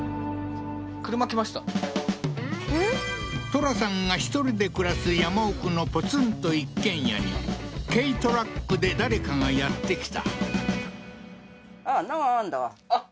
トラさんが１人で暮らす山奥のポツンと一軒家に軽トラックで誰かがやって来たあっ